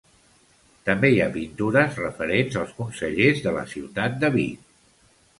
També hi ha pintures referents als consellers de la ciutat de Vic.